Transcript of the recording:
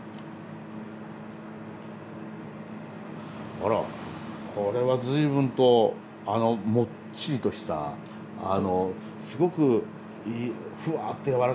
あらこれは随分ともっちりとしたすごくふわっとやわらかい。